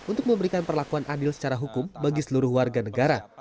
untuk memberikan perlakuan adil secara hukum bagi seluruh warga negara